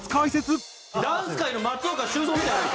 ダンス界の松岡修造みたい。